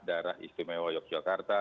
daerah istimewa yogyakarta